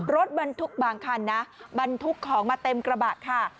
รถบรรทุกบางคันนะบรรทุกของมาเต็มกระบะค่ะ